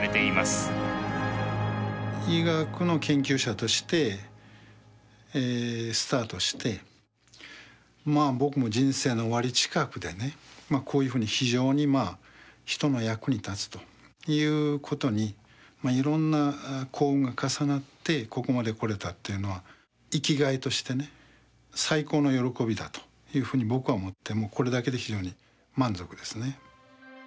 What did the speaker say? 医学の研究者としてスタートしてまあ僕の人生の終わり近くでねこういうふうに非常にまあ人の役に立つということにいろんな幸運が重なってここまで来れたっていうのは生きがいとしてね最高の喜びだというふうに僕は思ってもうこれだけで非常に満足ですね。